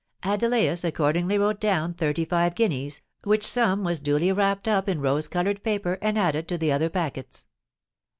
Adelais accordingly wrote down thirty five guineas, which sum was duly wrapped up in rose coloured paper and added to the other packets.